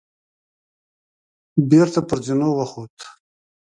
بېرته پر زينو وخوت.